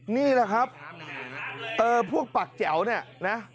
นี่แหละครับพวกปักแจ๋วเนี่ยนะ